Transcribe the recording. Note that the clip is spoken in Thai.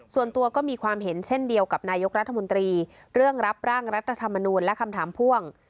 ส่วนตัวก็มีความเห็นเช่นเดียวกับนายกรัฐมนตรีเรื่องรับร่างรัฐธรรมนูลและคำถามพ่วง